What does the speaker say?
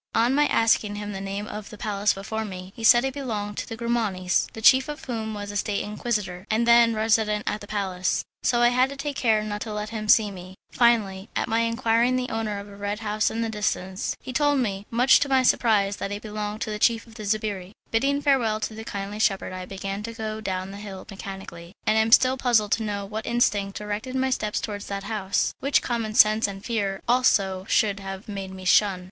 On my asking him the name of a palace before me, he said it belonged to the Grimanis, the chief of whom was a State Inquisitor, and then resident at the palace, so I had to take care not to let him see me. Finally, an my enquiring the owner of a red house in the distance, he told me, much to my surprise, that it belonged to the chief of the sbirri. Bidding farewell to the kindly shepherd I began to go down the hill mechanically, and I am still puzzled to know what instinct directed my steps towards that house, which common sense and fear also should have made me shun.